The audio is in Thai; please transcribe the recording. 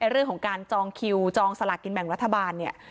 เรื่องของการจองคิวจองสลากินแบ่งรัฐบาลเนี่ย